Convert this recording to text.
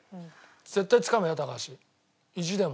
絶対つかめよ高橋意地でも。